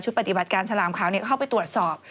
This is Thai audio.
ปฏิบัติการฉลามขาวเข้าไปตรวจสอบ